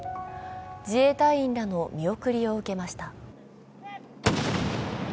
自衛隊員らの見送りを受けました。